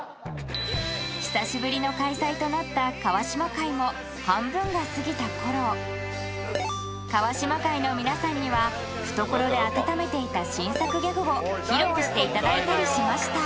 久しぶりの開催となった川島会の皆さんには懐で温めていた新作ギャグを披露していただいたりしました